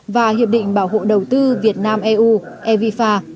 và hiệp định bảo hộ đầu tư việt nam eu evipa